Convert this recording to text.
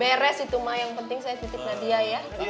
beres itu mah yang penting saya titip nadia ya